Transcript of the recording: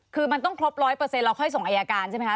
คือมันต้องครบ๑๐๐เราค่อยส่งอายการใช่ไหมคะ